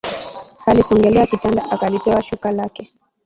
Alisogelea kitanda akalitoa shuka lake